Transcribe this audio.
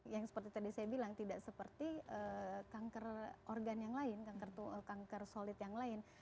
yang seperti tadi saya bilang tidak seperti kanker organ yang lain kanker solid yang lain